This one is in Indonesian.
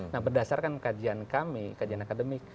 nah berdasarkan kajian kami kajian akademik